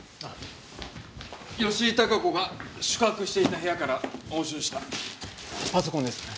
吉井孝子が宿泊していた部屋から押収したパソコンです。